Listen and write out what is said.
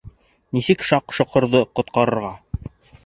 Нисек Шаҡ-Шоҡорҙо ҡотҡарырға?